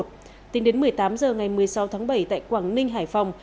tính đến một mươi tám h ngày một mươi sáu tháng bảy tại quảng ninh hải phòng